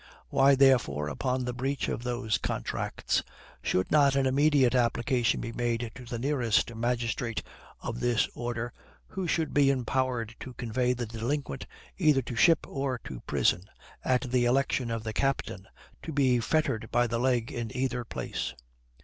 Why, therefore, upon the breach of those contracts, should not an immediate application be made to the nearest magistrate of this order, who should be empowered to convey the delinquent either to ship or to prison, at the election of the captain, to be fettered by the leg in either place?